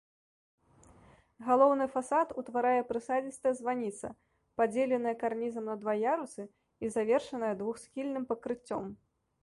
Галоўны фасад утварае прысадзістая званіца, падзеленая карнізам на два ярусы і завершаная двухсхільным пакрыццём.